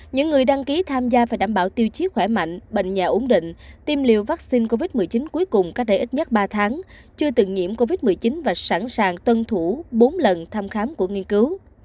những người đăng ký tham gia phải đảm bảo tiêu chí khỏe mạnh bệnh nhà ổn định tiêm liều vaccine covid một mươi chín cuối cùng cách đây ít nhất ba tháng chưa từng nhiễm covid một mươi chín và sẵn sàng tuân thủ bốn lần thăm khám của nghiên cứu